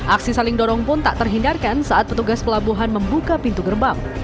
aksi saling dorong pun tak terhindarkan saat petugas pelabuhan membuka pintu gerbang